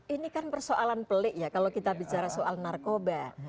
ini kan persoalan pelik ya kalau kita bicara soal narkoba